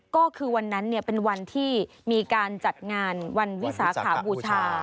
ก็คือวันนั้นเป็นวันที่มีการจัดงานวันวิสาขาบูชา